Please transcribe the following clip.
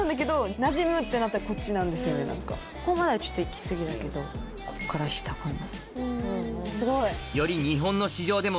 ここはちょっと行き過ぎだけどこっから下かな。